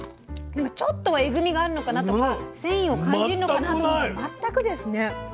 ちょっとはえぐみがあるのかなとか繊維を感じるのかなと思ったら全くですね。